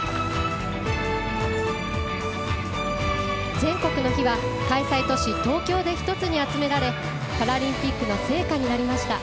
全国の火は開催都市・東京で１つに集められパラリンピックの聖火になりました。